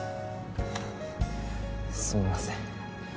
すみません